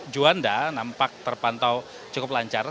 juanda nampak terpantau cukup lancar